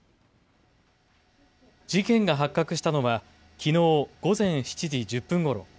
事件が発覚したのはきのう午前７時１０分ごろ。